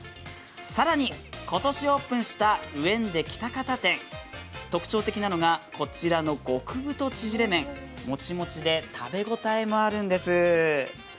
更に今年オープンしたうえんで喜多方店、特徴的なのがこちらの極太縮れ麺、もちもちで食べ応えもあるんです。